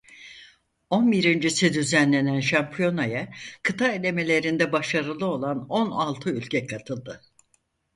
On birincisi düzenlenen şampiyonaya kıta elemelerinde başarılı olan on altı ülke katıldı.